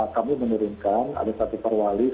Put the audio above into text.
kami menurunkan adesatif parwali satu ratus tujuh